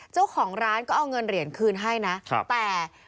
เจ้าของร้านก็เอาเงินเหรียญคืนให้นะแต่